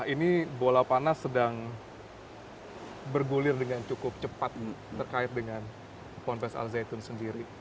ini bola panas sedang bergulir dengan cukup cepat terkait dengan pond bas azayitun sendiri